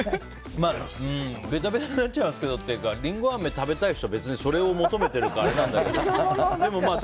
べたべたになっちゃいますけどっていうかりんごあめを食べたい人はそれを求めてるからあれなんだけどでもまあ、